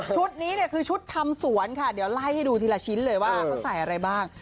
นี้เนี่ยคือชุดทำสวนค่ะเดี๋ยวไล่ให้ดูทีละชิ้นเลยว่าเขาใส่อะไรบ้าง